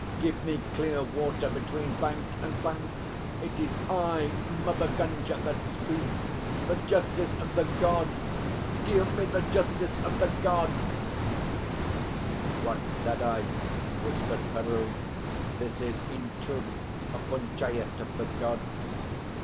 Give me clear water between bank and bank! It is I, Mother Gunga, that speak. The Justice of the Gods! Deal me the Justice of the Gods!" "What said I?" whispered Peroo. "This is in truth a Punchayet of the Gods.